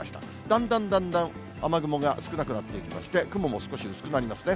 だんだんだんだん雨雲が少なくなっていきまして、雲も少し薄くなりますね。